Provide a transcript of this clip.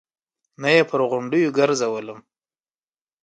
نه يې پر غونډيو ګرځولم.